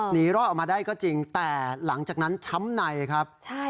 หนีรอดออกมาได้ก็จริงแต่หลังจากนั้นช้ำในครับ